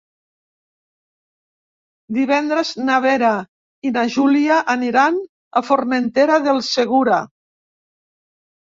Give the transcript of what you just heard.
Divendres na Vera i na Júlia aniran a Formentera del Segura.